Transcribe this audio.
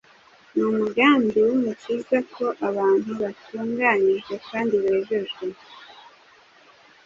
Ni umugambi w’Umukiza ko abantu batunganyijwe kandi bejejwe,